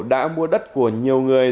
đã mua đất của nhiều người